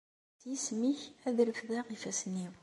S yisem-ik, ad reffdeɣ ifassen-iw.